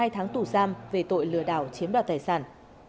một mươi hai tháng tù giam về tội lừa đảo chiếm đoạt tài sản